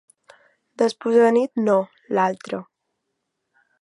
Despús-anit no l'altra.